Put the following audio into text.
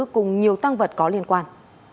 cùng nhiều tăng vật có liên quan